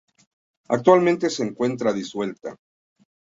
Actualmente se encuentra disuelta.